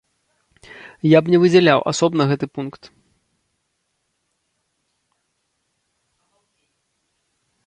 Я б не выдзяляў асобна гэты пункт.